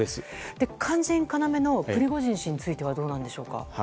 肝心要のプリゴジン氏についてはどうなんでしょうか。